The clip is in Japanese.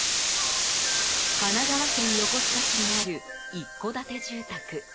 神奈川県横須賀市にある一戸建て住宅。